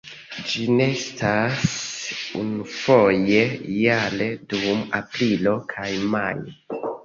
Ĝi nestas unufoje jare dum aprilo kaj majo.